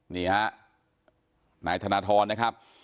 นี่ฮะนายธนทรนะครับ